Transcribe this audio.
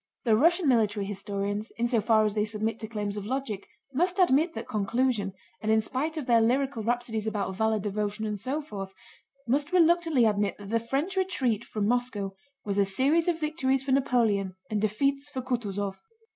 The Russian military historians in so far as they submit to claims of logic must admit that conclusion, and in spite of their lyrical rhapsodies about valor, devotion, and so forth, must reluctantly admit that the French retreat from Moscow was a series of victories for Napoleon and defeats for Kutúzov.